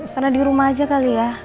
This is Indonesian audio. karena di rumah aja kali ya